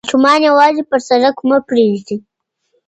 ماشومان یوازې پر سړک مه پریږدئ.